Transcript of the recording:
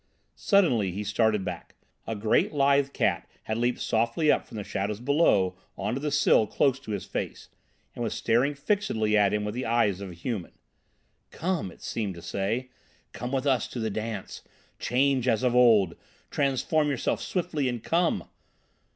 Suddenly he started back. A great lithe cat had leaped softly up from the shadows below on to the sill close to his face, and was staring fixedly at him with the eyes of a human. "Come," it seemed to say, "come with us to the Dance! Change as of old! Transform yourself swiftly and come!"